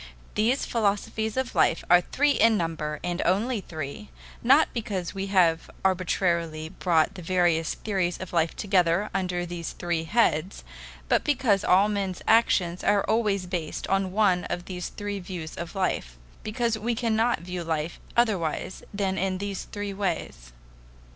These philosophies of life are three in number, and only three, not because we have arbitrarily brought the various theories of life together under these three heads, but because all men's actions are always based on one of these three views of life because we cannot view life otherwise than in these three ways.